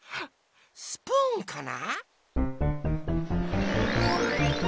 スプーンかな？